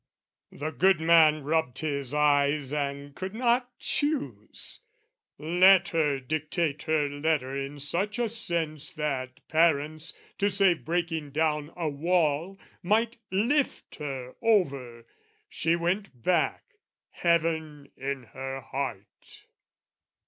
The good man rubbed his eyes and could not choose Let her dictate her letter in such a sense That parents, to save breaking down a wall, Might lift her over: she went back, heaven in her heart.